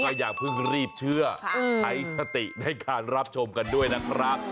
อย่าเพิ่งรีบเชื่อใช้สติในการรับชมกันด้วยนะครับ